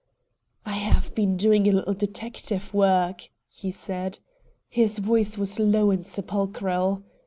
"I have been doing a little detective work," he said. His voice was low and sepulchral.